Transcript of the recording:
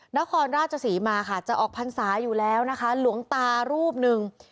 นครราชศรีมาค่ะจะออกพรรษาอยู่แล้วนะคะหลวงตารูปหนึ่ง